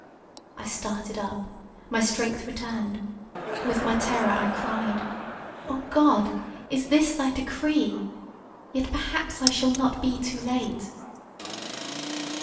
I started up, my strength returned; with my terror; I cried, "Oh, God! Is this thy decree? Yet perhaps I shall not be too late."